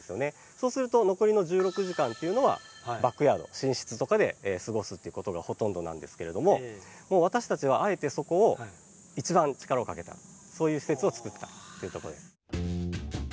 そうすると残りの１６時間っていうのはバックヤード寝室とかで過ごすっていうことがほとんどなんですけれども私たちはあえてそこをそういう施設を作ったっていうとこです。